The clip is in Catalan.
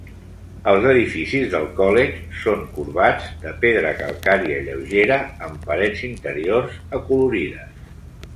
Els edificis del College són corbats, de pedra calcària lleugera amb parets interiors acolorides.